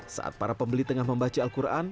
saat para pembeli tengah membaca al quran